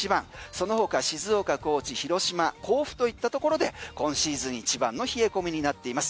その他、静岡、高知、広島甲府といったところで今シーズン一番の冷え込みになっています。